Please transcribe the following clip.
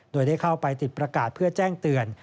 โดยได้เข้าไปติดประกาศเพื่อแจ้งเตือน